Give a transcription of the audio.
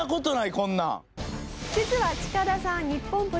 こんなん。